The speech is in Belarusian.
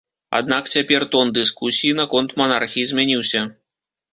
Аднак цяпер тон дыскусіі наконт манархіі змяніўся.